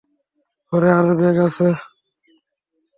ঘরে আরো ব্যাগ আছে।